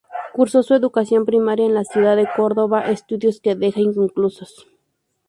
Cursó su educación primaria en la ciudad de Córdoba, estudios que deja inconclusos.